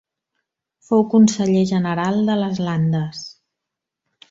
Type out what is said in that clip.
Fou conseller general de les Landes.